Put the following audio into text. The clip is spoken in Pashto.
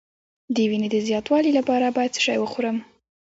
د وینې د زیاتوالي لپاره باید څه شی وخورم؟